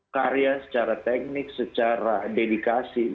karya secara teknik secara dedikasi